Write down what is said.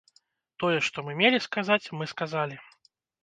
Тое, што мы мелі сказаць, мы сказалі.